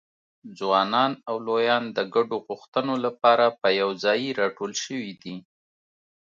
ځوانان او لویان د ګډو غوښتنو لپاره په یوځایي راټول شوي دي.